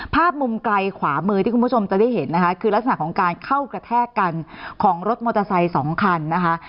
ภาพมุมไกลขวามือที่คุณผู้ชมจะได้เห็นนะคะคือลักษณะของการเข้ากระแทกกันของรถมอเตอร์ไซค์สองคันนะคะ